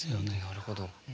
なるほど。